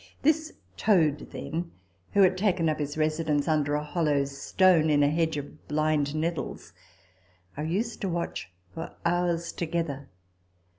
This toad, then, who had taken up his residence under a hollow stone in a hedge of blind nettles, I used to watch for hours together.